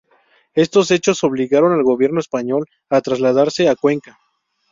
Estos hechos obligaron al Gobierno español a trasladarse a Cuenca.